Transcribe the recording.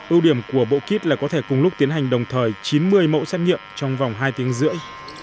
ưu điểm của bộ kit là có thể cùng lúc tiến hành đồng thời chín mươi mẫu xét nghiệm trong vòng hai tiếng rưỡi